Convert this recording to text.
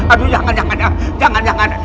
aduh jangan jangan jangan jangan